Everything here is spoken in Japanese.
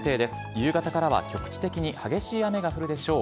夕方からは局地的に激しい雨が降るでしょう。